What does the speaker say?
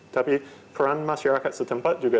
tapi peran masyarakat setempat juga